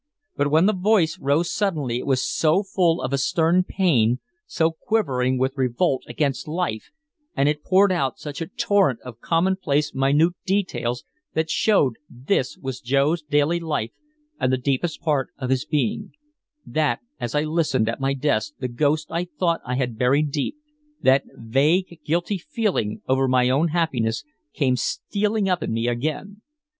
But when the voice rose suddenly it was so full of a stern pain, so quivering with revolt against life, and it poured out such a torrent of commonplace minute details that showed this was Joe's daily life and the deepest part of his being that as I listened at my desk the ghost I thought I had buried deep, that vague guilty feeling over my own happiness, came stealing up in me again.